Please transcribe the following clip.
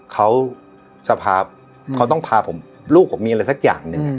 เขาสภาพเขาต้องพาผมลูกผมมีอะไรสักอย่างหนึ่ง